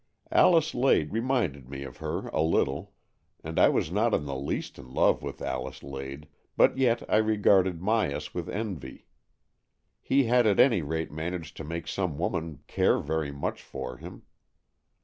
Alice Lade re minded me of her a little. I was not in the least in love with Alice Lade, but yet I regarded Myas with envy. He had at any rate managed to make some woman care very much for him.